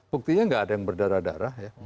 buktinya nggak ada yang berdarah darah ya